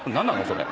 それ。